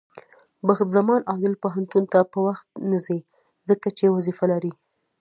بخت زمان عادل پوهنتون ته په وخت نځي، ځکه چې وظيفه لري.